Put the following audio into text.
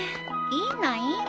いいのいいの。